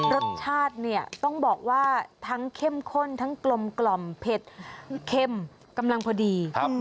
รสชาติเนี่ยต้องบอกว่าทั้งเข้มข้นทั้งกลมเผ็ดเข้มกำลังพอดี